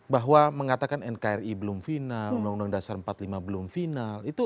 bahwa mengatakan nkri belum final undang undang dasar empat puluh lima belum final